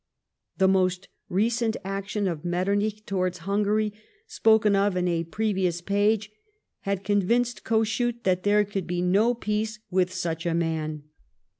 The most recent action of jMetternich towards Hungary, spoken of in a previous ))agc, had convinced Kossuth thattliero could be no peace with fcuch a man.